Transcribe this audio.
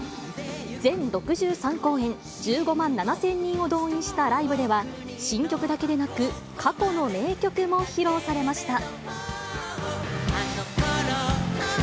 全６３公演、１５万７０００人を動員したライブでは、新曲だけでなく、過去の名曲も披露されました。